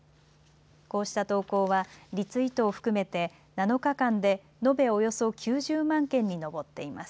こうした投稿はリツイートを含めて７日間で延べおよそ９０万件に上っています。